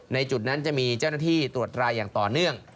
ในจุดนั้นจะมีเจ้าหน้าที่ตรวจรายอย่างต่อเนื่อง